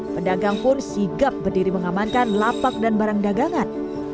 pedagang pun sigap berdiri mengamankan lapak dan barang dagangan